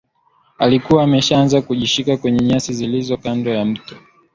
Alikuwa ameshaanza kujishika kwenye nyasi zilizo kando ya mto